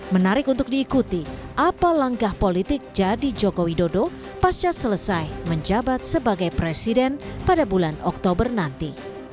menarik untuk diikuti apa langkah politik jadi joko widodo pasca selesai menjabat sebagai presiden pada bulan oktober nanti